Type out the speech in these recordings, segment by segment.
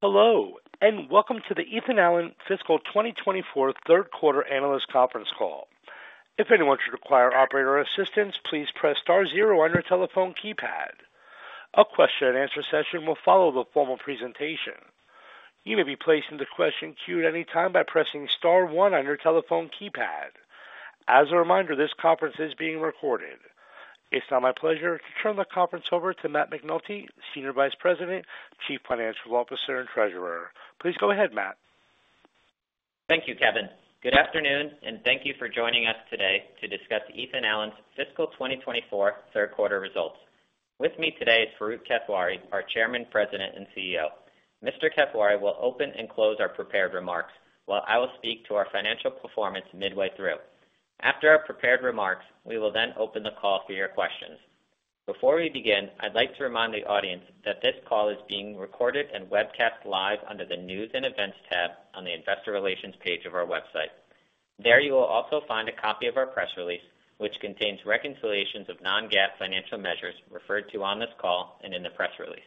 Hello, and welcome to the Ethan Allen Fiscal 2024 third quarter analyst conference call. If anyone should require operator assistance, please press star zero on your telephone keypad. A question-and-answer session will follow the formal presentation. You may be placed in the question queue at any time by pressing star one on your telephone keypad. As a reminder, this conference is being recorded. It's now my pleasure to turn the conference over to Matt McNulty, Senior Vice President, Chief Financial Officer, and Treasurer. Please go ahead, Matt. Thank you, Kevin. Good afternoon, and thank you for joining us today to discuss Ethan Allen's fiscal 2024 third quarter results. With me today is Farooq Kathwari, our Chairman, President, and CEO. Mr. Kathwari will open and close our prepared remarks, while I will speak to our financial performance midway through. After our prepared remarks, we will then open the call for your questions. Before we begin, I'd like to remind the audience that this call is being recorded and webcast live under the News and Events tab on the Investor Relations page of our website. There, you will also find a copy of our press release, which contains reconciliations of non-GAAP financial measures referred to on this call and in the press release.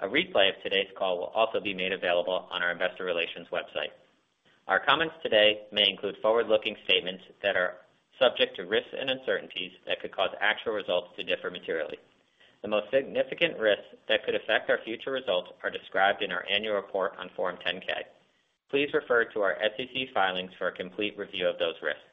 A replay of today's call will also be made available on our investor relations website. Our comments today may include forward-looking statements that are subject to risks and uncertainties that could cause actual results to differ materially. The most significant risks that could affect our future results are described in our annual report on Form 10-K. Please refer to our SEC filings for a complete review of those risks.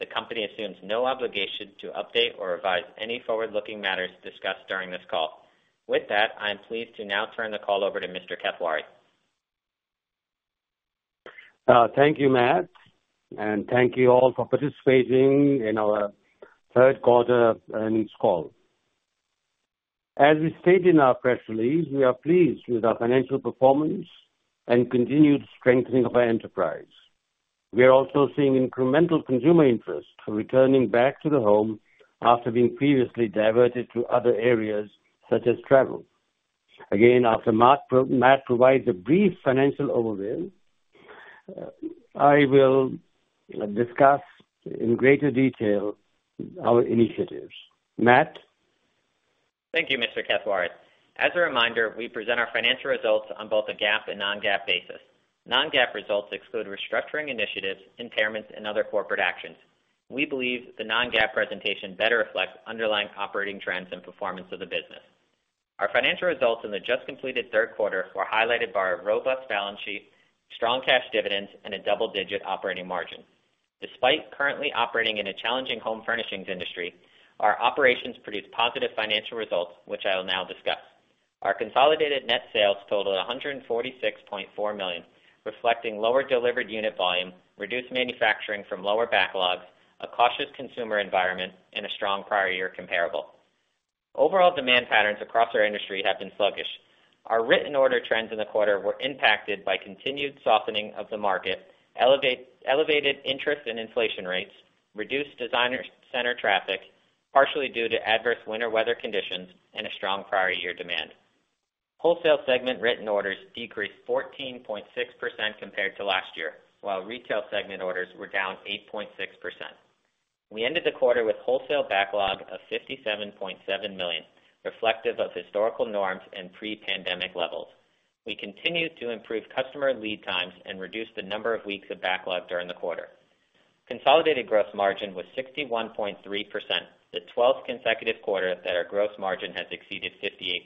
The company assumes no obligation to update or revise any forward-looking matters discussed during this call. With that, I am pleased to now turn the call over to Mr. Kathwari. Thank you, Matt, and thank you all for participating in our third quarter earnings call. As we stated in our press release, we are pleased with our financial performance and continued strengthening of our enterprise. We are also seeing incremental consumer interest returning back to the home after being previously diverted to other areas, such as travel. Again, after Matt provides a brief financial overview, I will discuss in greater detail our initiatives. Matt? Thank you, Mr. Kathwari. As a reminder, we present our financial results on both a GAAP and non-GAAP basis. Non-GAAP results exclude restructuring initiatives, impairments, and other corporate actions. We believe the non-GAAP presentation better reflects underlying operating trends and performance of the business. Our financial results in the just completed third quarter were highlighted by our robust balance sheet, strong cash dividends, and a double-digit operating margin. Despite currently operating in a challenging home furnishings industry, our operations produced positive financial results, which I will now discuss. Our consolidated net sales totaled $146.4 million, reflecting lower delivered unit volume, reduced manufacturing from lower backlogs, a cautious consumer environment, and a strong prior year comparable. Overall demand patterns across our industry have been sluggish. Our written order trends in the quarter were impacted by continued softening of the market, elevated interest and inflation rates, reduced design center traffic, partially due to adverse winter weather conditions, and a strong prior year demand. Wholesale segment written orders decreased 14.6% compared to last year, while retail segment orders were down 8.6%. We ended the quarter with wholesale backlog of $57.7 million, reflective of historical norms and pre-pandemic levels. We continued to improve customer lead times and reduce the number of weeks of backlog during the quarter. Consolidated gross margin was 61.3%, the 12th consecutive quarter that our gross margin has exceeded 58%.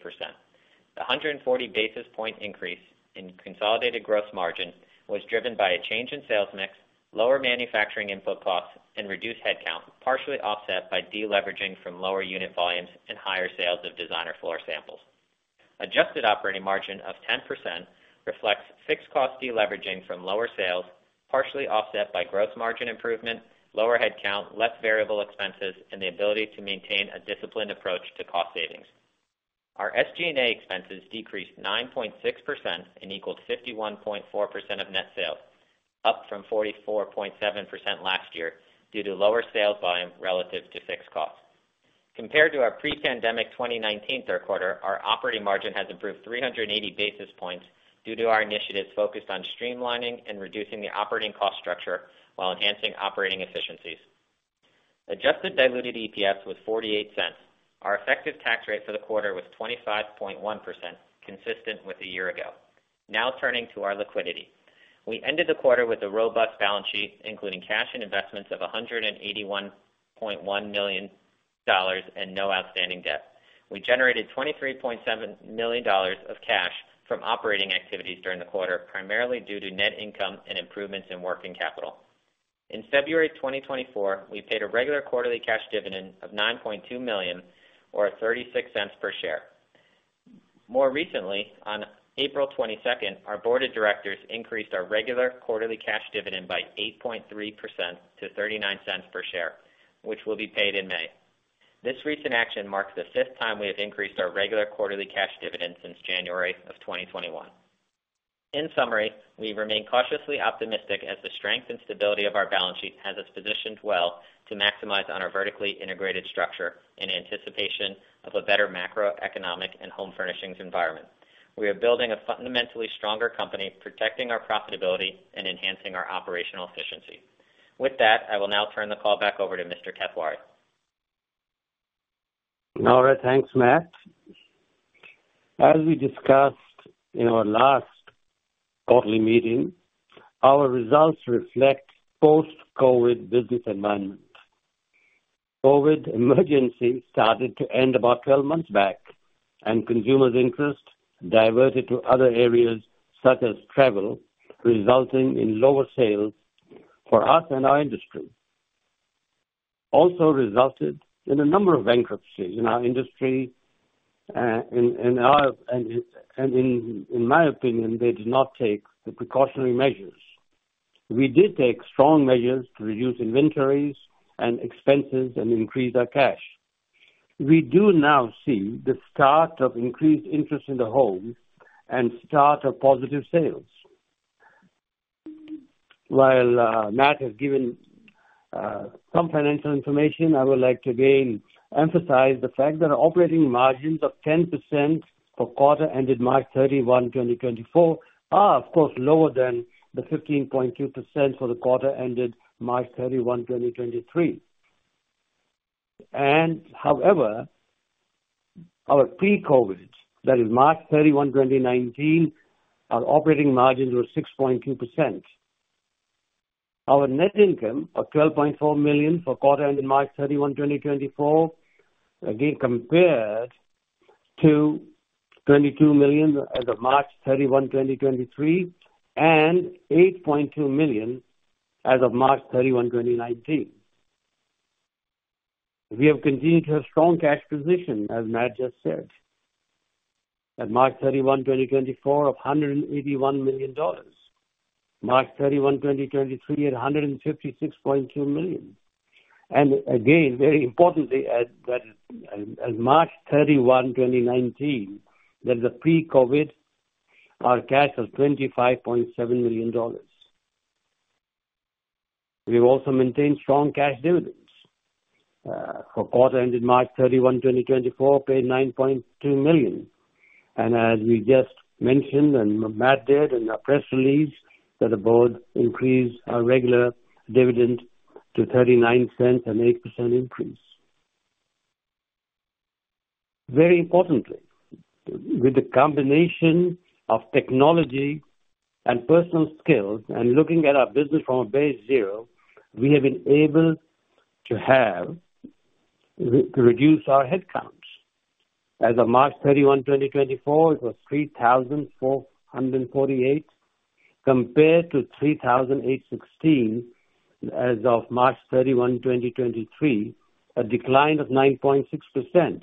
The 140 basis point increase in consolidated gross margin was driven by a change in sales mix, lower manufacturing input costs, and reduced headcount, partially offset by deleveraging from lower unit volumes and higher sales of designer floor samples. Adjusted operating margin of 10% reflects fixed cost deleveraging from lower sales, partially offset by gross margin improvement, lower headcount, less variable expenses, and the ability to maintain a disciplined approach to cost savings. Our SG&A expenses decreased 9.6% and equaled 51.4% of net sales, up from 44.7% last year, due to lower sales volume relative to fixed costs. Compared to our pre-pandemic 2019 third quarter, our operating margin has improved 380 basis points due to our initiatives focused on streamlining and reducing the operating cost structure while enhancing operating efficiencies. Adjusted diluted EPS was $0.48. Our effective tax rate for the quarter was 25.1%, consistent with a year ago. Now turning to our liquidity. We ended the quarter with a robust balance sheet, including cash and investments of $181.1 million and no outstanding debt. We generated $23.7 million of cash from operating activities during the quarter, primarily due to net income and improvements in working capital. In February 2024, we paid a regular quarterly cash dividend of $9.2 million, or $0.36 per share. More recently, on April 22nd, our board of directors increased our regular quarterly cash dividend by 8.3% to $0.39 per share, which will be paid in May. This recent action marks the fifth time we have increased our regular quarterly cash dividend since January of 2021. In summary, we remain cautiously optimistic as the strength and stability of our balance sheet has us positioned well to maximize on our vertically integrated structure in anticipation of a better macroeconomic and home furnishings environment. We are building a fundamentally stronger company, protecting our profitability and enhancing our operational efficiency. With that, I will now turn the call back over to Mr. Kathwari. All right, thanks, Matt. As we discussed in our last quarterly meeting, our results reflect post-COVID business environment. COVID emergency started to end about 12 months back, and consumers' interest diverted to other areas, such as travel, resulting in lower sales for us and our industry. Also resulted in a number of bankruptcies in our industry, and in my opinion, they did not take the precautionary measures. We did take strong measures to reduce inventories and expenses and increase our cash. We do now see the start of increased interest in the home and start of positive sales. While Matt has given some financial information, I would like to again emphasize the fact that our operating margins of 10% for quarter ended March 31, 2024, are, of course, lower than the 15.2% for the quarter ended March 31, 2023. However, our pre-COVID, that is, March 31, 2019, our operating margins were 6.2%. Our net income of $12.4 million for quarter ended March 31, 2024, again, compared to $22 million as of March 31, 2023, and $8.2 million as of March 31, 2019. We have continued to have strong cash position, as Matt just said. At March 31, 2024, of $181 million, March 31, 2023 at $156.2 million. Again, very importantly, as of March 31, 2019, that is the pre-COVID, our cash was $25.7 million. We've also maintained strong cash dividends. For quarter ended March 31, 2024, paid $9.2 million, and as we just mentioned, and Matt did in our press release, that the board increased our regular dividend to $0.39, an 8% increase. Very importantly, with the combination of technology and personal skills, and looking at our business from a base zero, we have been able to reduce our headcounts. As of March 31, 2024, it was 3,448, compared to 3,816 as of March 31, 2023, a decline of 9.6%.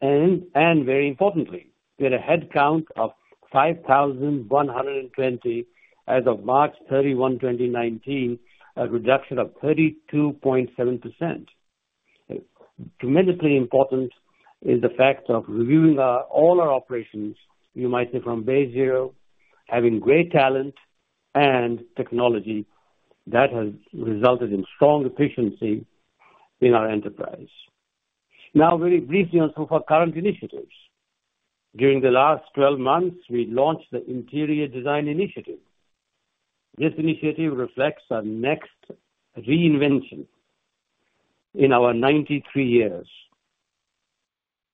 And very importantly, we had a headcount of 5,120 as of March 31, 2019, a reduction of 32.7%. Tremendously important is the fact of reviewing our, all our operations, you might say, from base zero, having great talent and technology that has resulted in strong efficiency in our enterprise. Now, very briefly on some of our current initiatives. During the last 12 months, we launched the Interior Design Initiative. This initiative reflects our next reinvention in our 93 years.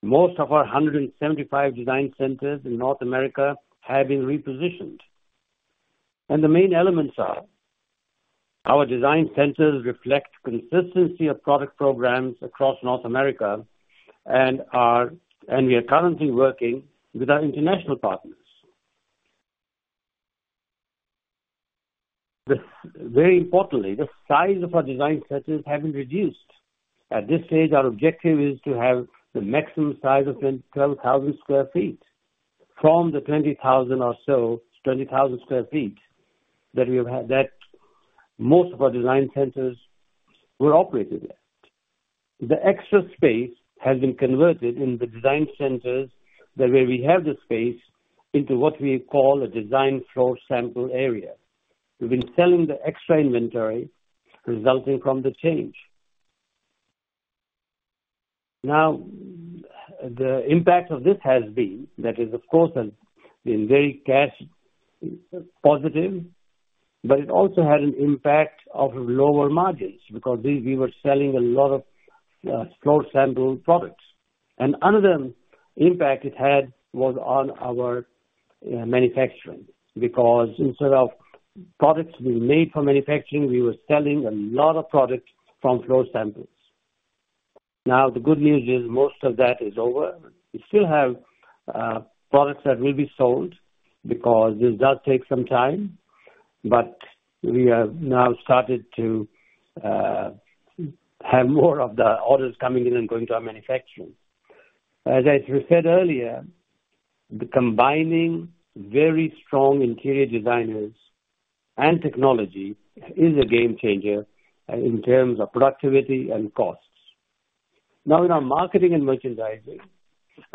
Most of our 175 design centers in North America have been repositioned, and the main elements are: our design centers reflect consistency of product programs across North America and are, and we are currently working with our international partners. Very importantly, the size of our design centers have been reduced. At this stage, our objective is to have the maximum size of 10,000-12,000 sq ft from the 20,000 or so, 20,000 sq ft that most of our Design Centers were operated at. The extra space has been converted in the Design Centers, that way we have the space into what we call a design floor sample area. We've been selling the extra inventory resulting from the change. Now, the impact of this has been, that is, of course, been very cash positive, but it also had an impact of lower margins because we were selling a lot of floor sample products. Another impact it had was on our manufacturing, because instead of products we made for manufacturing, we were selling a lot of products from floor samples. Now, the good news is, most of that is over. We still have products that will be sold because this does take some time, but we have now started to have more of the orders coming in and going to our manufacturing. As I said earlier, the combining very strong interior designers and technology is a game changer in terms of productivity and costs. Now, in our marketing and merchandising,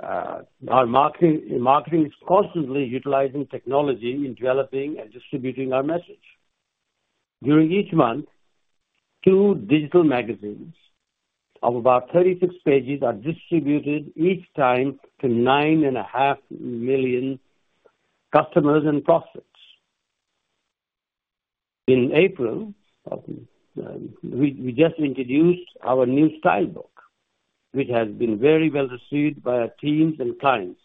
our marketing, marketing is constantly utilizing technology in developing and distributing our message. During each month, two digital magazines of about 36 pages are distributed each time to 9.5 million customers and prospects. In April of, we just introduced our new Style Book, which has been very well received by our teams and clients,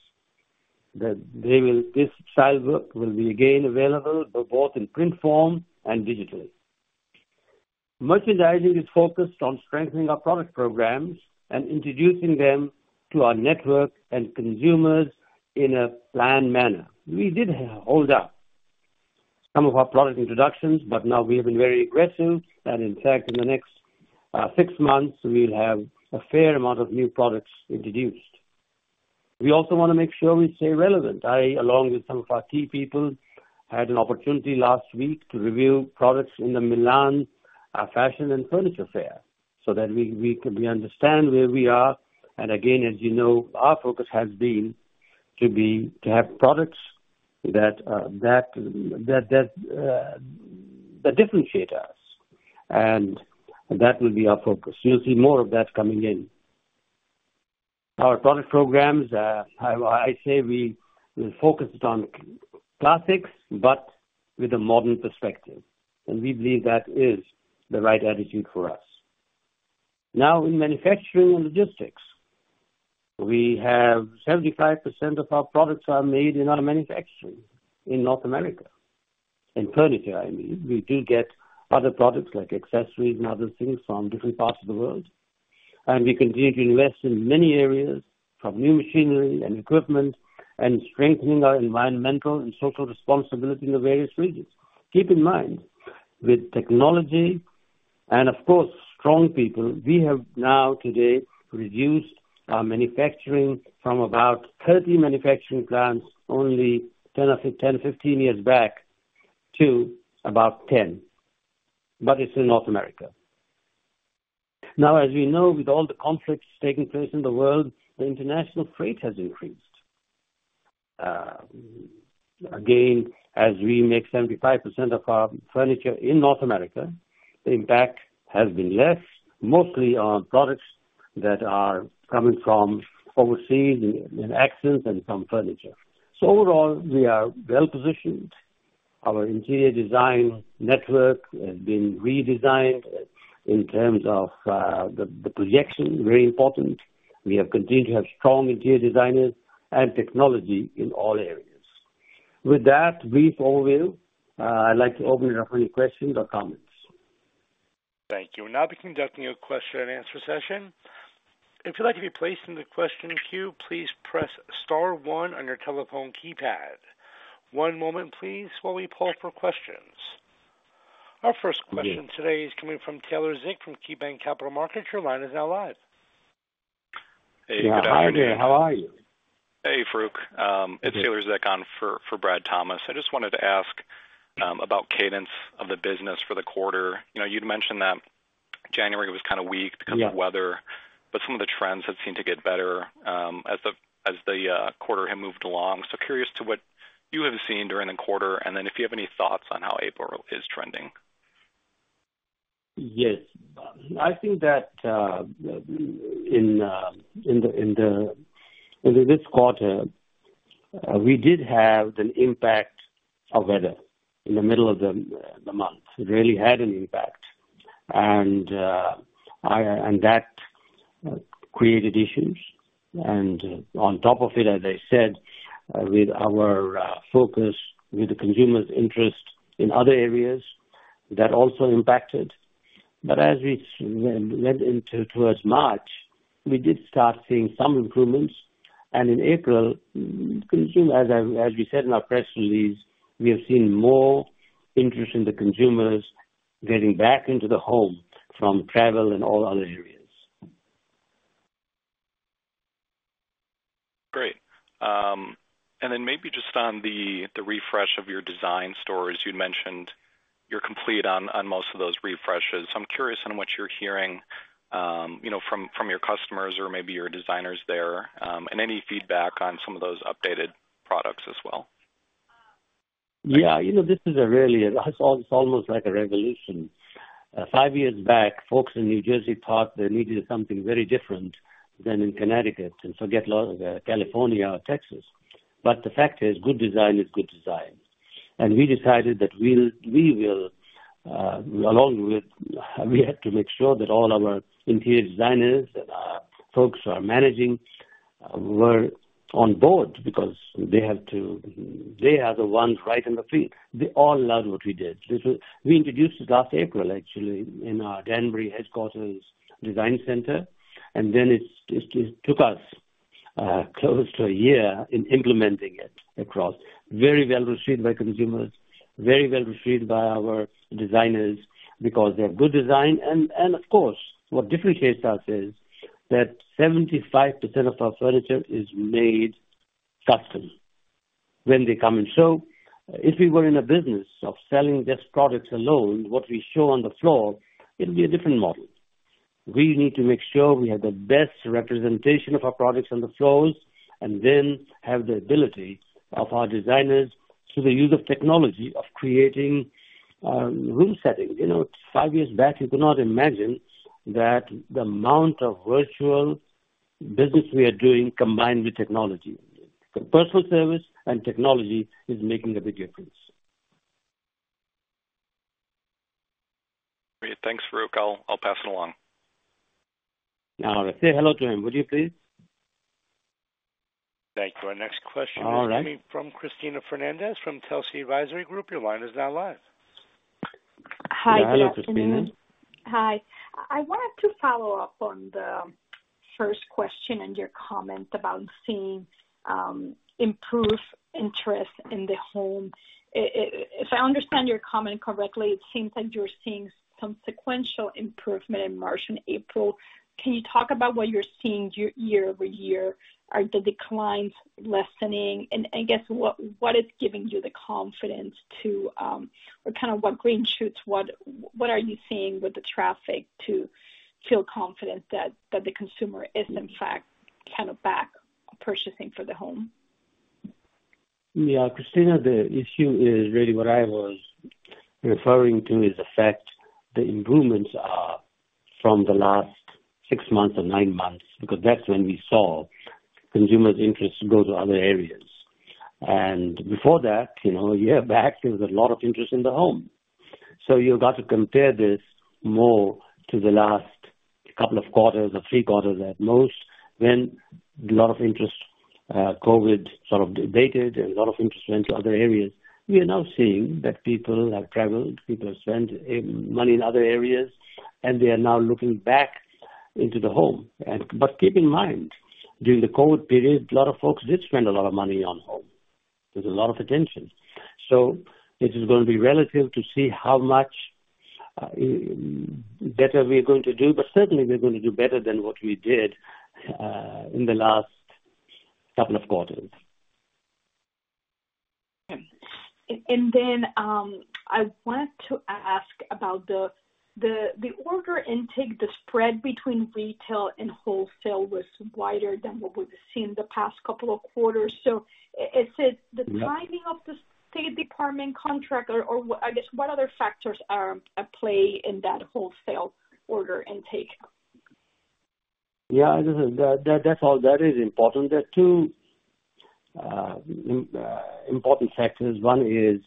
that they will this Style Book will be again available, but both in print form and digitally. Merchandising is focused on strengthening our product programs and introducing them to our network and consumers in a planned manner. We did hold up some of our product introductions, but now we have been very aggressive, and in fact, in the next six months, we'll have a fair amount of new products introduced. We also want to make sure we stay relevant. I, along with some of our key people, had an opportunity last week to review products in the Milan Furniture Fair, so that we understand where we are, and again, as you know, our focus has been to have products that differentiate us, and that will be our focus. You'll see more of that coming in. Our product programs, I say we, we're focused on classics, but with a modern perspective, and we believe that is the right attitude for us. Now, in manufacturing and logistics, we have 75% of our products are made in our manufacturing in North America. In furniture, I mean. We do get other products like accessories and other things from different parts of the world, and we continue to invest in many areas, from new machinery and equipment and strengthening our environmental and social responsibility in the various regions. Keep in mind, with technology and of course, strong people, we have now today reduced our manufacturing from about 30 manufacturing plants, only ten or fifteen years back to about 10. But it's in North America. Now, as we know, with all the conflicts taking place in the world, the international freight has increased. Again, as we make 75% of our furniture in North America, the impact has been less, mostly on products that are coming from overseas, in accents and some furniture. So overall, we are well positioned. Our interior design network has been redesigned in terms of the projection, very important. We have continued to have strong interior designers and technology in all areas. With that brief overview, I'd like to open it up any questions or comments. Thank you. We'll now be conducting a question and answer session. If you'd like to be placed in the question queue, please press star one on your telephone keypad. One moment please while we poll for questions. Our first question. Today is coming from Taylor Zick, from KeyBanc Capital Markets. Your line is now live. Hey, good afternoon. Hi, Taylor. How are you? Hey, Farooq. It's Taylor Zick on for Brad Thomas. I just wanted to ask about cadence of the business for the quarter. You know, you'd mentioned that January was kind of weak because of weather. But some of the trends have seemed to get better, as the quarter had moved along. So curious to what you have seen during the quarter, and then if you have any thoughts on how April is trending. Yes. I think that in this quarter we did have an impact of weather in the middle of the month. It really had an impact, and that created issues. And on top of it, as I said, with our focus with the consumers' interest in other areas, that also impacted. But as we went into towards March, we did start seeing some improvements, and in April, as we said in our press release, we have seen more interest in the consumers getting back into the home from travel and all other areas. Great. And then maybe just on the refresh of your design stores, you'd mentioned you're complete on most of those refreshes. I'm curious on what you're hearing, you know, from your customers or maybe your designers there, and any feedback on some of those updated products as well. Yeah, you know, this is a really, it's almost like a revolution. Five years back, folks in New Jersey thought they needed something very different than in Connecticut, and so California or Texas. But the fact is, good design is good design. And we decided that we will, along with, we had to make sure that all our interior designers and our folks who are managing were on board because they have to, they are the ones right in the field. They all loved what we did. This was. We introduced it last April, actually, in our Danbury headquarters design center, and then it took us close to a year in implementing it across. Very well received by consumers, very well received by our designers, because they're good design, and of course, what differentiates us is that 75% of our furniture is made custom when they come in. So if we were in a business of selling just products alone, what we show on the floor, it'll be a different model. We need to make sure we have the best representation of our products on the floors, and then have the ability of our designers, through the use of technology, of creating room setting. You know, five years back, you could not imagine that the amount of virtual business we are doing combined with technology. The personal service and technology is making a big difference. Great, thanks, Farooq. I'll pass it along. All right. Say hello to him, would you, please? Thank you. Our next question. All right. Coming from Cristina Fernández from Telsey Advisory Group. Your line is now live. Hi, good afternoon. Hello, Cristina. Hi. I wanted to follow-up on the first question and your comment about seeing improved interest in the home. If I understand your comment correctly, it seems like you're seeing some sequential improvement in March and April. Can you talk about what you're seeing year-over-year? Are the declines lessening? And I guess what is giving you the confidence to or kind of what green shoots what are you seeing with the traffic to feel confident that the consumer is, in fact, kind of back purchasing for the home? Yeah, Cristina, the issue is really what I was referring to, is the fact the improvements are from the last six months or nine months, because that's when we saw consumers' interests go to other areas. And before that, you know, a year back, there was a lot of interest in the home. So you've got to compare this more to the last couple of quarters or three quarters at most, when a lot of interest, COVID sort of abated, and a lot of interest went to other areas. We are now seeing that people have traveled, people have spent money in other areas, and they are now looking back into the home. But keep in mind, during the COVID period, a lot of folks did spend a lot of money on home. There's a lot of attention. It is going to be relative to see how much better we are going to do, but certainly we're going to do better than what we did in the last couple of quarters. Then I wanted to ask about the order intake, the spread between retail and wholesale was wider than what we've seen in the past couple of quarters. So is it. Yeah. The timing of the State Department contract or, or I guess, what other factors are at play in that wholesale order intake? Yeah, that, that, that's all. That is important. There are two important factors. One is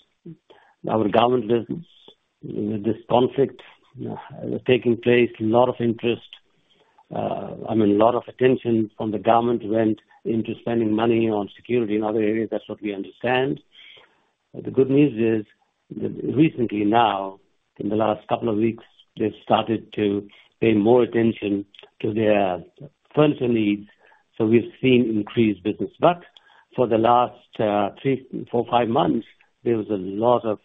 our government business. This conflict taking place, a lot of interest, I mean, a lot of attention from the government went into spending money on security and other areas. That's what we understand. The good news is that recently now, in the last couple of weeks, they've started to pay more attention to their furniture needs, so we've seen increased business. But for the last three, four, five months, there was a lot of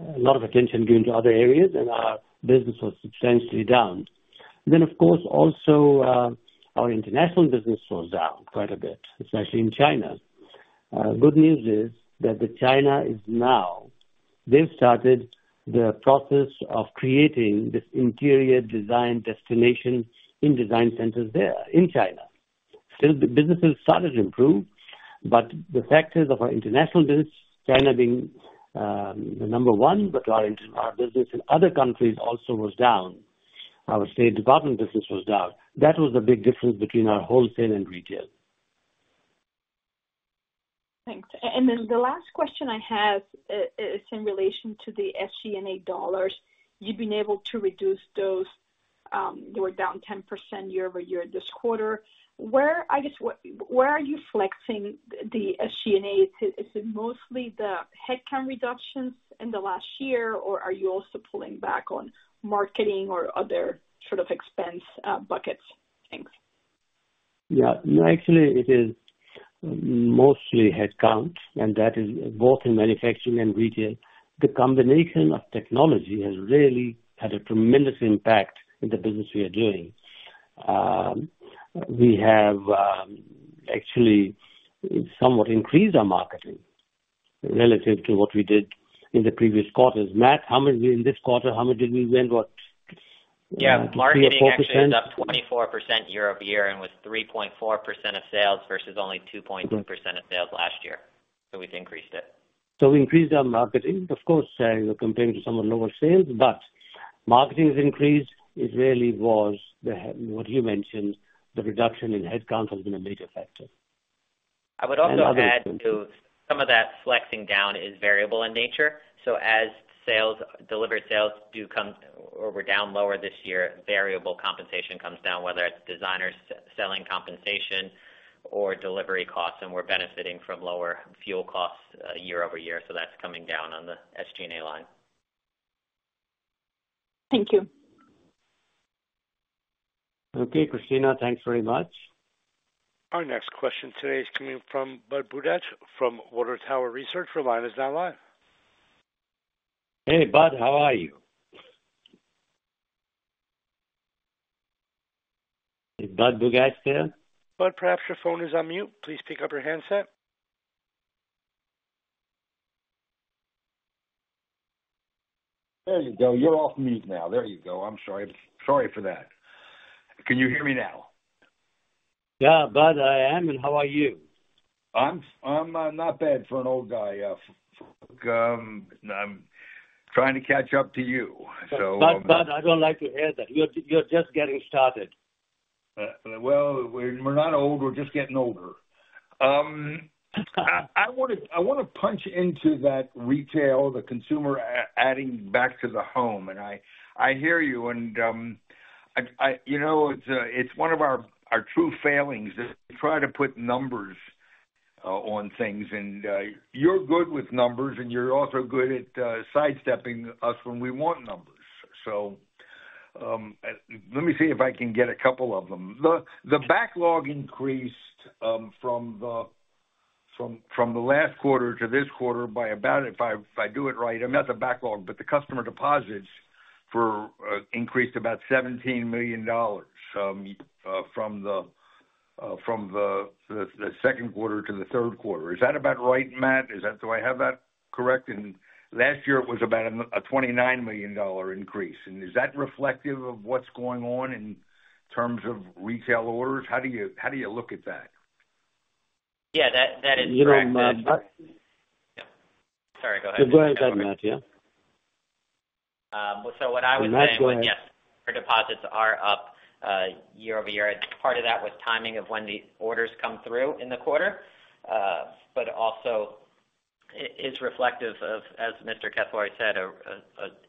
attention going to other areas, and our business was substantially down. Then, of course, also our international business slows down quite a bit, especially in China. Good news is that the China is now, they've started the process of creating this interior design destination in design centers there, in China. The businesses started to improve, but the factors of our international business, China being the number one, but our business in other countries also was down. Our State Department business was down. That was the big difference between our wholesale and retail. Thanks. The last question I have is in relation to the SG&A dollars. You've been able to reduce those. You were down 10% year-over-year this quarter. Where, I guess, where are you flexing the SG&A? Is it mostly the headcount reductions in the last year, or are you also pulling back on marketing or other sort of expense buckets? Thanks. Yeah. Actually, it is mostly headcount, and that is both in manufacturing and retail. The combination of technology has really had a tremendous impact in the business we are doing. We have actually somewhat increased our marketing relative to what we did in the previous quarters. Matt, how much in this quarter, how much did we spend, what? Yeah. 3%-4%? Marketing actually is up 24% year-over-year and was 3.4% of sales, versus only 2.2% of sales last year. So we've increased it. So we increased our marketing. Of course, we're comparing to somewhat lower sales, but marketing has increased. It really was the, what you mentioned, the reduction in headcount has been a major factor. I would also add to. And other. Some of that flexing down is variable in nature. So as sales, delivered sales do come or were down lower this year, variable compensation comes down, whether it's designers' selling compensation or delivery costs, and we're benefiting from lower fuel costs year-over-year, so that's coming down on the SG&A line. Thank you. Okay, Cristina, thanks very much. Our next question today is coming from Budd Bugatch from Water Tower Research. Your line is now live. Hey, Budd, how are you? Is Budd Bugatch there? Budd, perhaps your phone is on mute. Please pick up your handset. There you go. You're off mute now. There you go. I'm sorry. Sorry for that. Can you hear me now? Yeah, Budd, I am, and how are you? I'm not bad for an old guy. I'm trying to catch up to you, so. Budd, Budd, I don't like to hear that. You're, you're just getting started. Well, we're not old, we're just getting older. I wanna punch into that retail, the consumer adding back to the home, and I hear you, and, you know, it's one of our true failings is try to put numbers on things. You're good with numbers, and you're also good at sidestepping us when we want numbers. So, let me see if I can get a couple of them. The backlog increased from the last quarter to this quarter by about, if I do it right. I meant the backlog, but the customer deposits increased about $17 million from the second quarter to the third quarter. Is that about right, Matt? Is that. Do I have that correct? And last year it was about a $29 million increase, and is that reflective of what's going on in terms of retail orders? How do you, how do you look at that? Yeah, that, that is correct. You know, Matt. Yeah. Sorry, go ahead. Go ahead, Matt, yeah. So what I was saying. Matt, go ahead. Yes, our deposits are up year-over-year. Part of that was timing of when the orders come through in the quarter, but also it's reflective of, as Mr. Kathwari said,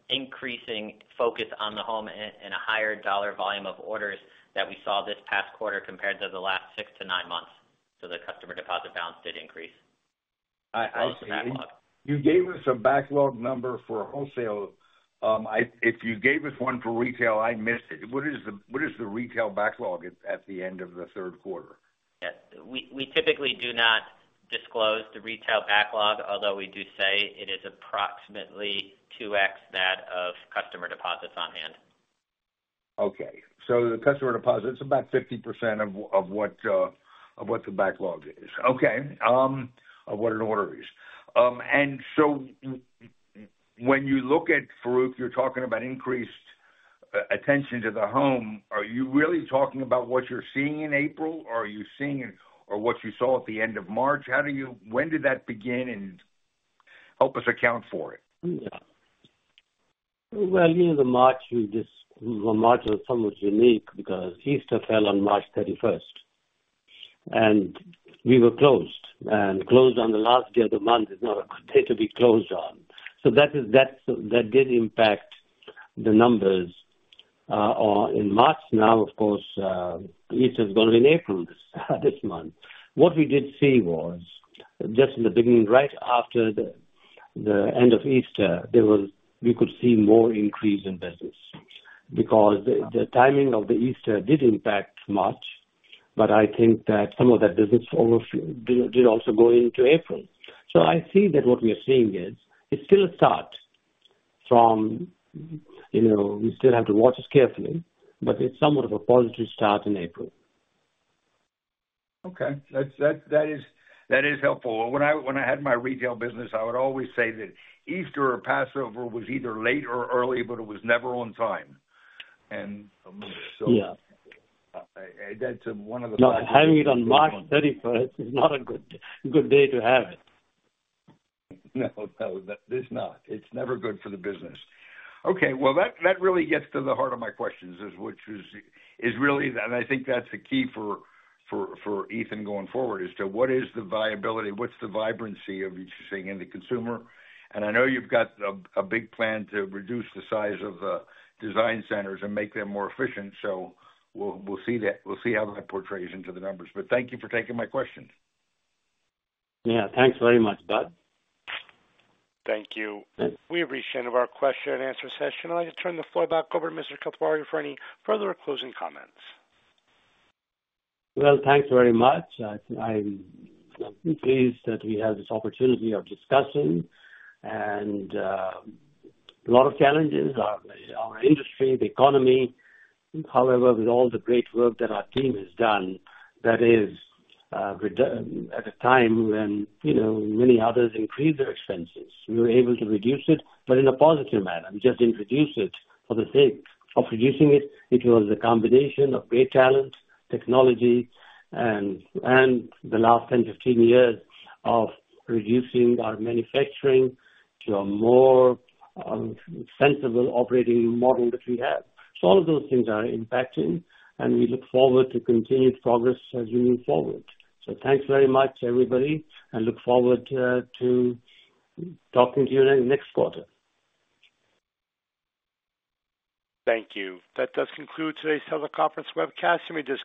increasing focus on the home and a higher dollar volume of orders that we saw this past quarter compared to the last six to nine months. So the customer deposit balance did increase. I see. So that backlog. You gave us a backlog number for wholesale. If you gave us one for retail, I missed it. What is the retail backlog at the end of the third quarter? Yeah. We typically do not disclose the retail backlog, although we do say it is approximately 2x that of customer deposits on hand. Okay. So the customer deposits, it's about 50% of, of what, of what the backlog is. Okay. Of what an order is. And so when you look at Farooq, you're talking about increased attention to the home, are you really talking about what you're seeing in April, or are you seeing it, or what you saw at the end of March? How do you? When did that begin, and help us account for it? Yeah. Well, you know, the March, we just. Well, March was somewhat unique because Easter fell on March 31st, and we were closed, and closed on the last day of the month is not a day to be closed on. So that is, that's, that did impact the numbers, or in March. Now, of course, Easter is gonna be in April this month. What we did see was just in the beginning, right after the end of Easter, there was, we could see more increase in business. Because the timing of the Easter did impact March, but I think that some of that business also did also go into April. So I see that what we are seeing is, it's still a start from, you know, we still have to watch it carefully, but it's somewhat of a positive start in April. Okay. That is helpful. When I had my retail business, I would always say that Easter or Passover was either late or early, but it was never on time. And so- Yeah. That's one of the. No, having it on March 31st is not a good, good day to have it. No, no, it is not. It's never good for the business. Okay, well, that really gets to the heart of my questions, which is really, and I think that's the key for Ethan going forward, is what is the viability, what's the vibrancy of what you're seeing in the consumer? And I know you've got a big plan to reduce the size of the design centers and make them more efficient, so we'll see that. We'll see how that portrays into the numbers. But thank you for taking my questions. Yeah. Thanks very much, Budd. Thank you. We've reached the end of our question and answer session. I'd like to turn the floor back over to Mr. Kathwari for any further closing comments. Well, thanks very much. I'm pleased that we have this opportunity of discussing and a lot of challenges, our industry, the economy. However, with all the great work that our team has done, that is, at a time when, you know, many others increased their expenses, we were able to reduce it, but in a positive manner. We just didn't reduce it for the sake of reducing it. It was a combination of great talent, technology, and the last 10, 15 years of reducing our manufacturing to a more sensible operating model that we have. So all of those things are impacting, and we look forward to continued progress as we move forward. So thanks very much, everybody, and look forward to talking to you in the next quarter. Thank you. That does conclude today's teleconference webcast. You may disconnect.